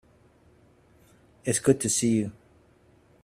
It's good to see you.